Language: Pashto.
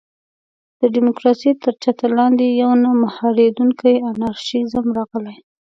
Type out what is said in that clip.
د ډیموکراسۍ تر چتر لاندې یو نه مهارېدونکی انارشېزم راغلی.